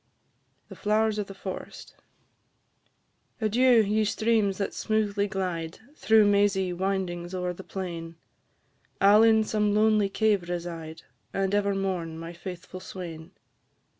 THE FLOWERS OF THE FOREST. Adieu! ye streams that smoothly glide, Through mazy windings o'er the plain; I 'll in some lonely cave reside, And ever mourn my faithful swain.